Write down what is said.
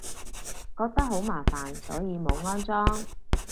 覺得好麻煩，所以冇安裝